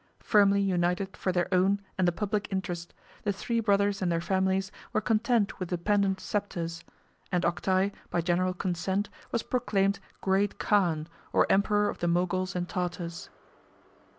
Firmly united for their own and the public interest, the three brothers and their families were content with dependent sceptres; and Octai, by general consent, was proclaimed great khan, or emperor of the Moguls and Tartars.